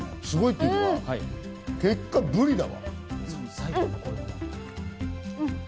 すごいっていうのは結果ブリだわ。